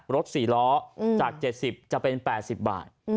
รถ๔ล้อจาก๗๐จะเป็น๘๐บาท